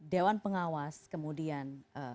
dewan pengawas kemudian